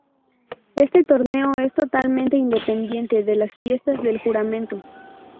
Este torneo es totalmente independiente de las fiestas del juramento.